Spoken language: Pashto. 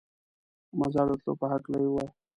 د مزار د تلو په هکله یې ووایه.